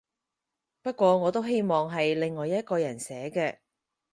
不過我都希望係另外一個人寫嘅